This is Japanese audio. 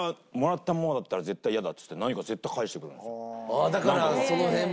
ああだからその辺も。